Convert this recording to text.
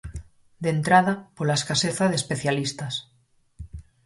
De entrada, pola escaseza de especialistas.